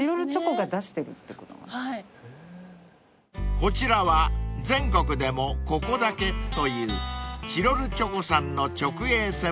［こちらは全国でもここだけというチロルチョコさんの直営専門店］